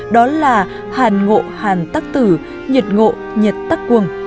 đó là hàn ngộ hàn tắc tử nhiệt ngộ nhiệt tắc cuồng